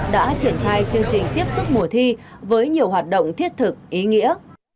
đã triển khai chương trình tiếp sức mùa thi với nhiều hoạt động thiết thực ý nghĩa